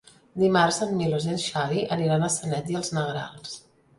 Dimarts en Milos i en Xavi aniran a Sanet i els Negrals.